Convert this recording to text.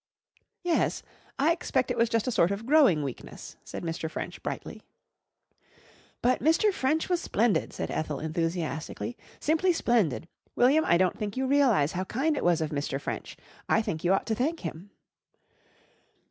"Yes. I expect it was just a sort of growing weakness," said Mr. French brightly. "But Mr. French was splendid!" said Ethel enthusiastically, "simply splendid. William, I don't think you realise how kind it was of Mr. French. I think you ought to thank him."